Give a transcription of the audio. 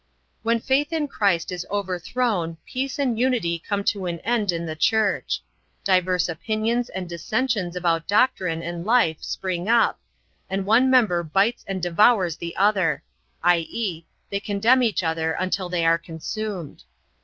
When faith in Christ is overthrown peace and unity come to an end in the church. Diverse opinions and dissensions about doctrine and life spring up, and one member bites and devours the other, i.e., they condemn each other until they are consumed.